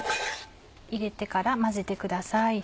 入れてから混ぜてください。